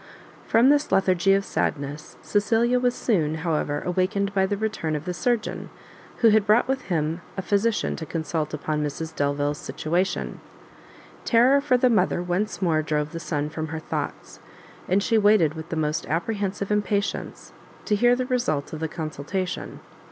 From this lethargy of sadness Cecilia was soon, however, awakened by the return of the surgeon, who had brought with him a physician to consult upon Mrs Delvile's situation. Terror for the mother once more drove the son from her thoughts, and she waited with the most apprehensive impatience to hear the result of the consultation.